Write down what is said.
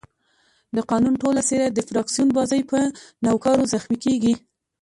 د قانون ټوله څېره د فراکسیون بازۍ په نوکارو زخمي کېږي.